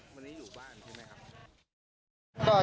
วันนี้อยู่บ้านใช่ไหมครับ